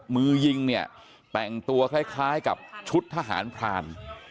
มือยิงเนี่ยแต่งตัวคล้ายกับชุดทหารพราน